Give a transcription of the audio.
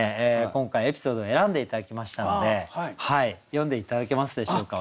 今回エピソードを選んで頂きましたので読んで頂けますでしょうか。